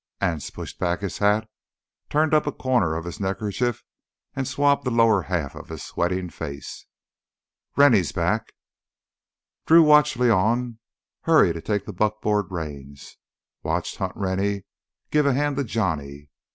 Anse pushed back his hat, turned up a corner of his neckerchief, and swabbed the lower half of his sweating face. "Rennie's back." Drew watched León hurry to take the buckboard reins, watched Hunt Rennie give a hand to Johnny.